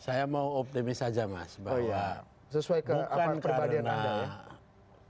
saya mau optimis saja mas bahwa bukan karena memang proses itu berjalan dan dirancang demikian